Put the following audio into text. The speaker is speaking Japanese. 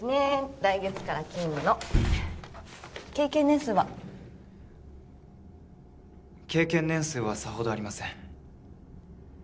来月から勤務の経験年数は経験年数はさほどありません